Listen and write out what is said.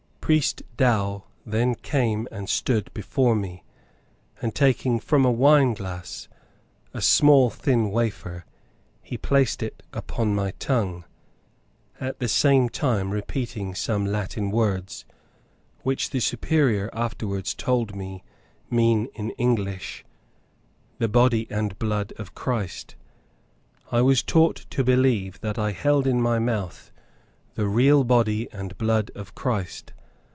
Priest Dow then came and stood before me, and taking from a wine glass a small thin wafer, he placed it upon my tongue, at the same time repeating some Latin words, which, the Superior afterwards told me, mean in English, "The body and blood of Christ." I was taught to believe that I held in my mouth the real body and blood of Christ.